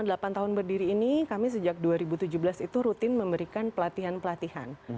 selama delapan tahun berdiri ini kami sejak dua ribu tujuh belas itu rutin memberikan pelatihan pelatihan